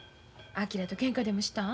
昭とけんかでもしたん？